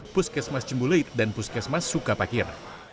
puskesmas cembuluit dan puskesmas sukapakir